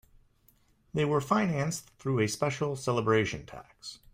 They were financed through a special celebration tax.